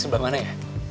jadi pacar kamu lah